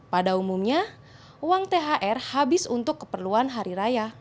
pada umumnya uang thr habis untuk keperluan hari raya